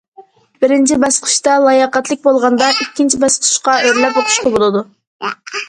بىرىنچى باسقۇچتا لاياقەتلىك بولغاندا ئىككىنچى باسقۇچقا ئۆرلەپ ئوقۇشقا بولىدۇ.